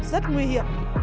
rất nguy hiểm